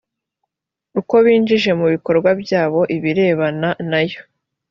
uko binjije mu bikorwa byabo ibireba n ayo